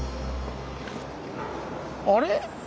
あれ？